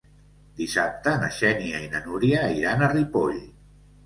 Dissabte na Xènia i na Núria iran a Ripoll.